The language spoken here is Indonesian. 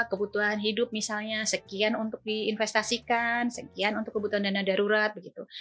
kebutuhan hidup misalnya sekian untuk diinvestasikan sekian untuk kebutuhan dana darurat begitu